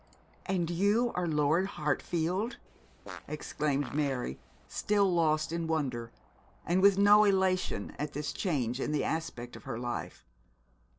'And you are Lord Hartfield!' exclaimed Mary, still lost in wonder, and with no elation at this change in the aspect of her life.